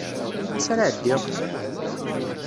Ansa ara ɛeddiɣ?